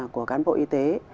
của cán bộ y tế